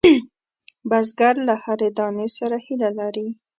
بزګر له هرې دانې سره هیله لري